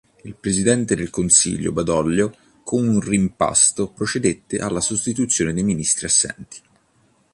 Il presidente del consiglio Badoglio, con un rimpasto, procedette alla sostituzione dei ministri assenti.